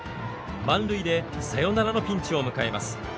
満塁でサヨナラのピンチを迎えます。